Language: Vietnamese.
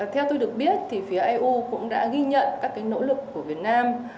theo tôi được biết thì phía eu cũng đã ghi nhận các nỗ lực của việt nam